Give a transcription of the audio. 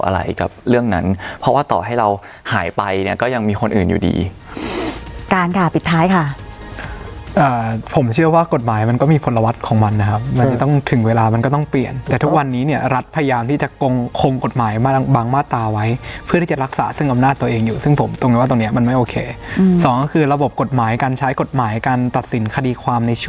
เราหายไปเนี่ยก็ยังมีคนอื่นอยู่ดีการค่ะปิดท้ายค่ะผมเชื่อว่ากฎหมายมันก็มีพลวทของมันนะครับมันจะต้องถึงเวลามันก็ต้องเปลี่ยนแต่ทุกวันนี้เนี่ยรัฐพยายามที่จะคงคงกฎหมายมาตราไว้เพื่อที่จะรักษาซึ่งอำนาจตัวเองอยู่ซึ่งผมต้องว่าตรงนี้มันไม่โอเคสองคือระบบกฎหมายการใช้กฎหมายการตัดสินคดีค